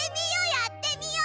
やってみよ！